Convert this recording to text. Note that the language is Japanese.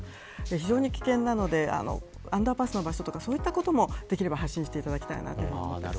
非常に危険なのでアンダーパスの場所とかそういうのもできれば発信していただきたいです。